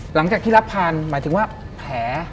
หลังจากที่รับผ่านหมายถึงว่าแผล